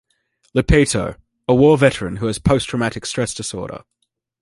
Lupito - A war veteran who has post-traumatic stress disorder.